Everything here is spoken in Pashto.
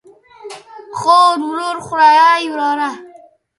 خور، ورور، خوریئ ،وراره